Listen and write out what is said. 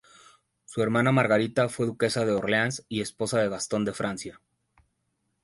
Su hermana Margarita fue duquesa de Orleans y esposa de Gastón de Francia.